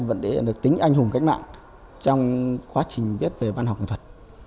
vẫn thể hiện được tính anh hùng cách mạng trong quá trình viết về văn học hành thuật